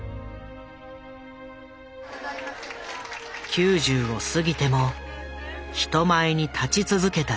９０を過ぎても人前に立ち続けた寂聴。